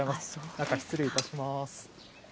中、失礼いたします。